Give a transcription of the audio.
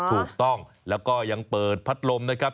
ถูกต้องแล้วก็ยังเปิดพัดลมนะครับ